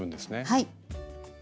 はい。